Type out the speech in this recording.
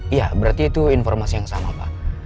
iya berarti itu informasi yang sama pak